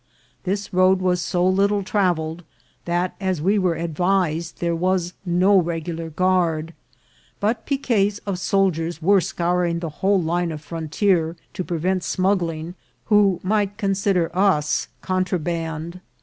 This road was so little travelled, that, as we were advised, there was no regular guard ; but piquets of soldiers were scouring the whole line of frontier to prevent smug gling, who might consider us contraband.